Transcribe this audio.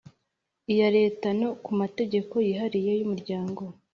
Iya leta no ku mategeko yihariye y umuryango